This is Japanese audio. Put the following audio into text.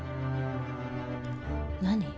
何？